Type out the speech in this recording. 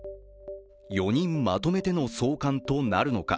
４人まとめての送還となるのか。